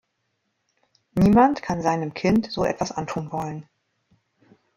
Niemand kann seinem Kind so etwas antun wollen.